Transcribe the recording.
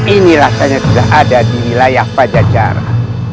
ini rasanya sudah ada di wilayah pajajaran